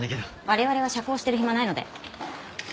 我々は社交してる暇ないので。